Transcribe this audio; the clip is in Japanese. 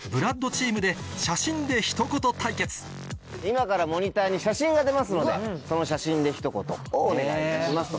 ＢＬＯＯＤチームで今からモニターに写真が出ますのでその写真でひと言をお願いいたします。